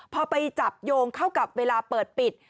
พอไปจับโยงเข้ากับเวลาเปิดปิด